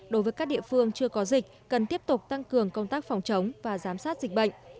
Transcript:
đối với các địa phương chưa có dịch cần tiếp tục tăng cường công tác phòng chống và giám sát dịch bệnh